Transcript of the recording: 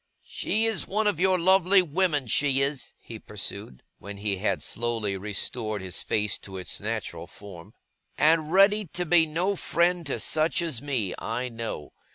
'She is one of your lovely women, she is,' he pursued, when he had slowly restored his face to its natural form; 'and ready to be no friend to such as me, I know.